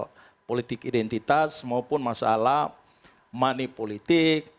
pembelahan di rakyat soal politik identitas maupun masalah money politik